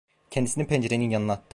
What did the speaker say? Kendisini pencerenin yanına attı.